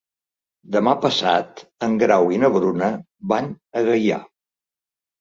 Demà passat en Grau i na Bruna van a Gaià.